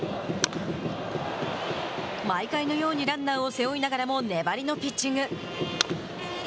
毎回のようにランナーを背負いながらも粘りのピッチング。